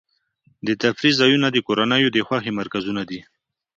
د تفریح ځایونه د کورنیو د خوښۍ مرکزونه دي.